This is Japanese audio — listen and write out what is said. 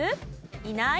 いない？